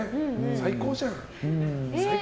最高じゃん。